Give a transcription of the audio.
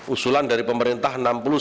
usulan dari pemerintah